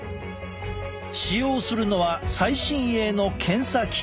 使用するのは最新鋭の検査機器。